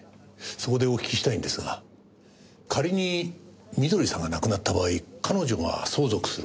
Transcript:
そこでお聞きしたいのですが仮に美登里さんが亡くなった場合彼女が相続する４５億